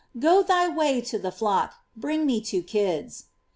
Go thy way to the flock, bring me two kids."